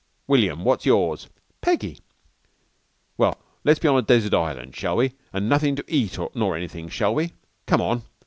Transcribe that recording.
"William. What's yours?" "Peggy." "Well, let's be on a desert island, shall we? An' nothin' to eat nor anything, shall we? Come on."